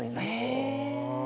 へえ。